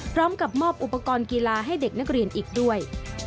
พร้อมกับมอบอุปกรณ์กีฬาให้เด็กนักเรียนอีกด้วย